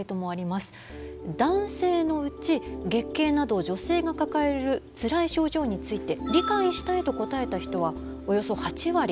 男性のうち月経など女性が抱えるつらい症状について理解したいと答えた人はおよそ８割。